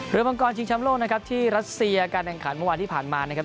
มังกรชิงช้ำโลกนะครับที่รัสเซียการแข่งขันเมื่อวานที่ผ่านมานะครับ